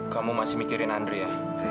kamu masih mikirin andre ya